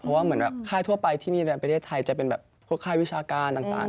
เพราะว่าเหมือนแบบค่ายทั่วไปที่มีในประเทศไทยจะเป็นแบบพวกค่ายวิชาการต่าง